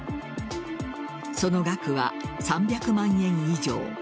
その額は、３００万円以上。